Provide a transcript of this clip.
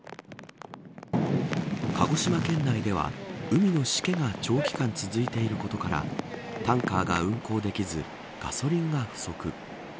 鹿児島県内では海のしけが長期間続いていることからタンカーが運航できずガソリンが不足。